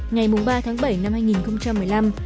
ngày ba tháng bảy năm hai nghìn một mươi năm